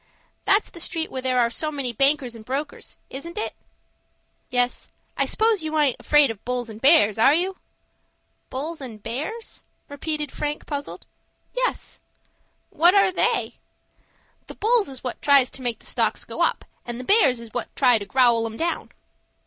"That's the street where there are so many bankers and brokers,—isn't it?" "Yes, I s'pose you aint afraid of bulls and bears,—are you?" "Bulls and bears?" repeated Frank, puzzled. "Yes." "What are they?" "The bulls is what tries to make the stocks go up, and the bears is what try to growl 'em down."